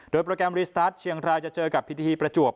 โดยโปรแกรมรีสตาร์ทเชียงรายจะเจอกับพิธีประจวบ